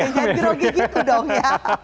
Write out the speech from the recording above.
jangan jauh gitu dong ya